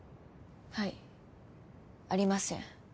はいありません